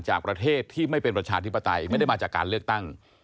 จากประเทศที่ไม่เป็นประชาธิปไตยไม่ได้มาจากการเลือกตั้ง